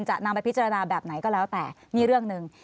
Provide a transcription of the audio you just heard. จะนำไปพิจารณาแบบไหนก็แล้วแต่นี่เรื่องหนึ่ง